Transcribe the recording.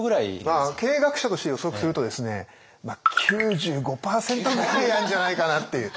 経営学者として予測するとですね９５％ぐらいなんじゃないかなっていう。